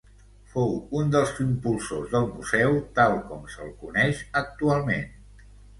Fou un dels impulsors del museu tal com se'l coneix actualment.